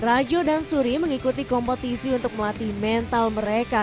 rajo dan suri mengikuti kompetisi untuk melatih mental mereka